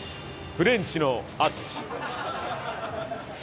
フレンチの淳。